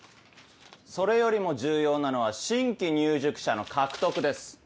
それよりも重要なのは新規入塾者の獲得です。